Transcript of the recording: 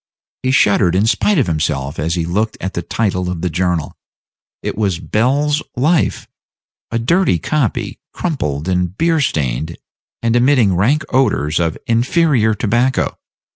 He shuddered in spite of himself as he looked at the title of the journal; it was Bell's Life a dirty copy, crumpled, and beer stained, and emitting rank odors of inferior tobacco.